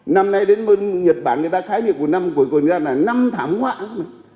năm nay đến bên nhật bản người ta khái niệm của năm cuối cùng là năm tháng ngoạn